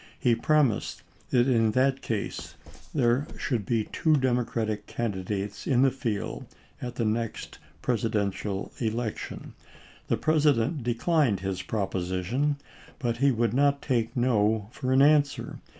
He promised that in that case there should be two Democratic candidates in the field at the next Presidential election. The President declined his proposition, but he would not take no for an an swer.